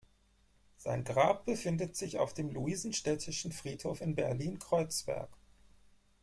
Sein Grab befindet sich auf dem Luisenstädtischen Friedhof in Berlin-Kreuzberg.